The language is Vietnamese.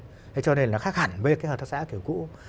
thế cho nên nó khác hẳn với cái hợp tác xã kiểu cũ